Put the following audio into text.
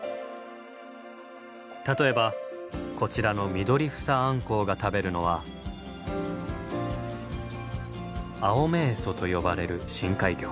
例えばこちらのミドリフサアンコウが食べるのはアオメエソと呼ばれる深海魚。